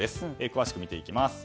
詳しく見ていきます。